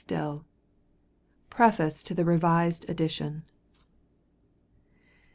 Still] PREFACE TO REVISED EDITION.